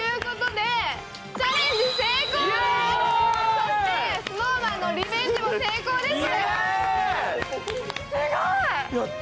そしてＳｎｏｗＭａｎのリベンジも成功です！